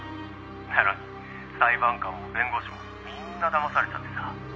「なのに裁判官も弁護士もみんなだまされちゃってさ」